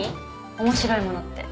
面白いものって。